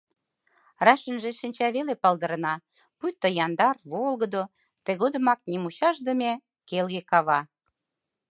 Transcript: Рашынже шинча веле палдырна пуйто яндар, волгыдо, тыгодымак нимучашдыме келге кава.